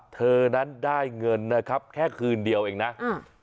เธอนั้นได้เงินนะครับแค่คืนเดียวเองนะอ่า